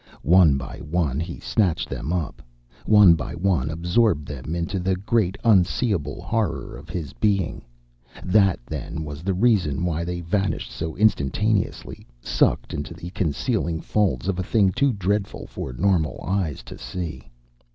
One by one he snatched them up, one by one absorbed them into the great, unseeable horror of his being. That, then, was the reason why they vanished so instantaneously, sucked into the concealing folds of a thing too dreadful for normal eyes to see.